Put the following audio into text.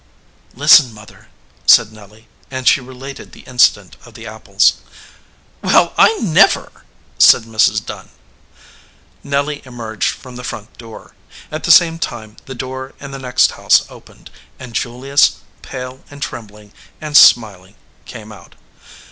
"Listen, mother," said Nelly; and she related the incident of the apples. "Well, I never!" said Mrs. Dunn. Nelly emerged from the front door. At the same time the door in the next house opened, and Julius, pale and trembling and smiling, came out.